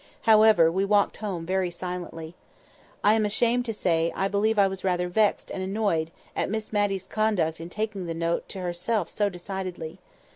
However, we walked home very silently. I am ashamed to say, I believe I was rather vexed and annoyed at Miss Matty's conduct in taking the note to herself so decidedly.